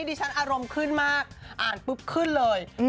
ดิฉันอารมณ์ขึ้นมากอ่านปุ๊บขึ้นเลย